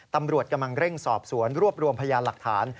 ตำรวจกำลังเร่งสอบสวนรวบรวมพยานหลักฐาน